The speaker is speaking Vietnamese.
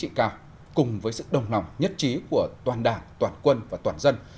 chính trị cao cùng với sự đồng lòng nhất trí của toàn đảng toàn quân và toàn dân